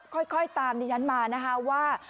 ค่อยตามดิฉันมานะคะว่า